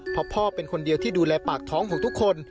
เพราะพ่อเป็นคนเดียวที่ดูแลปากท้องของทุกคน